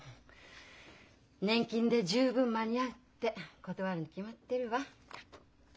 「年金で十分間に合う」って断るに決まってるわ。